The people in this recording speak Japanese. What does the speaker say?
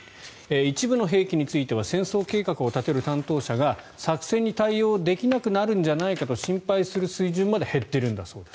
一部の兵器については戦争計画を立てる担当者が作戦に対応できなくなるんじゃないかと心配する水準まで減っているんだそうです。